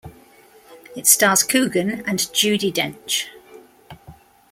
It stars Coogan and Judi Dench.